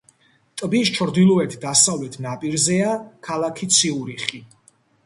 ტბის ჩრდილოეთ-დასავლეთ ნაპირზეა ქალაქი ციურიხი.